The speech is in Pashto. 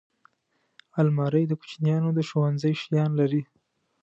الماري د کوچنیانو د ښوونځي شیان لري